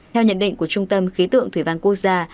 theo nhận định của trung tâm khí tượng thủy văn quốc gia